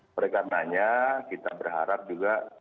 mereka tanya kita berharap juga